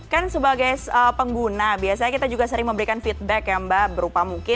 kan sebagai pengguna biasanya kita juga sering memberikan feedback ya mbak berupa mungkin